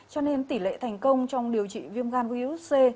cho nên tỷ lệ thành công trong điều trị viêm gan virus c